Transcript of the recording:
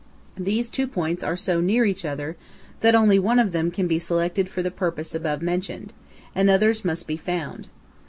These two points are so near each other that only one of them can be selected for the purpose above mentioned, and others must be found.